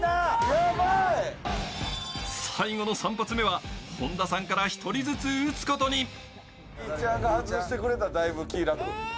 最後の３発目は本田さんから１人ずつ撃つことに。